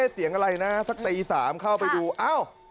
เสียงอะไรนะสักตี๓เข้าไปดูอ้าว